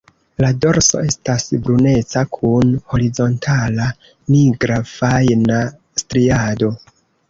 La dorso estas bruneca kun horizontala nigra fajna striado.